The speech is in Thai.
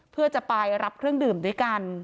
เพื่อจะไปรับเครื่องดื่มด้วยกัน